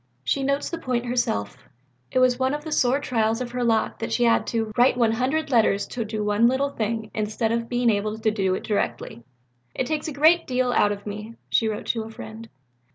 She notes the point herself: it was one of the sore trials of her lot that she had to "write 100 letters to do one little thing instead of being able to do it directly." "It takes a great deal out of me," she wrote to a friend.